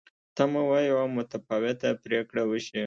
تمه وه یوه متفاوته پرېکړه وشي.